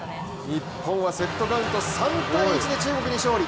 日本はセットカウント３−１で中国に勝利。